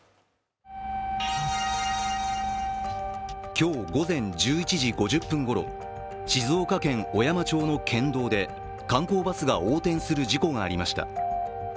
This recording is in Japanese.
今日午前１１時５０分ごろ静岡県小山町の県道で観光バスが横転する事故がありました。